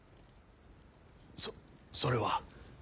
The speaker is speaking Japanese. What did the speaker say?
そそれは。